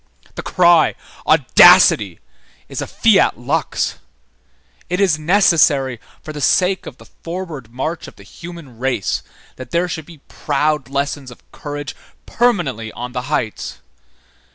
The cry: _Audacity! _ is a Fiat lux. It is necessary, for the sake of the forward march of the human race, that there should be proud lessons of courage permanently on the heights.